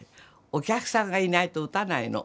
お客さんがいないと打たないの。